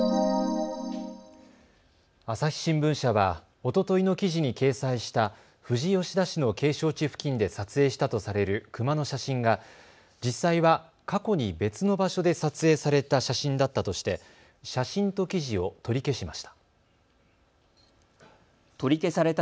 朝日新聞社は、おとといの記事に掲載した富士吉田市の景勝地付近で撮影したとされるクマの写真が実際は過去に別の場所で撮影された写真だったとして写真と記事を取り消しました。